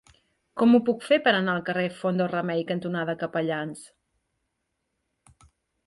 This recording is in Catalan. Com ho puc fer per anar al carrer Font del Remei cantonada Capellans?